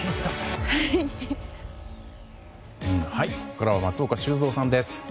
ここからは松岡修造さんです。